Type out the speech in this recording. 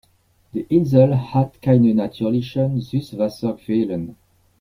Die Insel hat keine natürlichen Süßwasserquellen.